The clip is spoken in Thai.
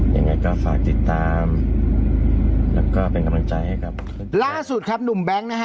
ยังไงก็ฝากติดตามแล้วก็เป็นกำลังใจให้ครับล่าสุดครับหนุ่มแบงค์นะฮะ